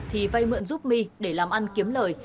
thì vây mượn giúp my để làm ăn kiếm lời